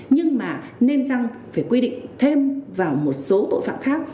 nhưng mà nên rằng phải quy định thêm vào một số tội phạm khác